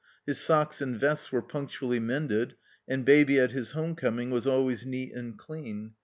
His socks and vests were ptmctually mended, and Baby at his home coming was always neat and dean.